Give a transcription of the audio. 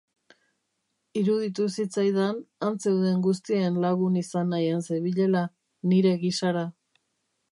Iruditu zitzaidan han zeuden guztien lagun izan nahian zebilela, nire gisara.